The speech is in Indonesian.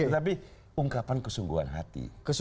tapi ungkapan kesungguhan hati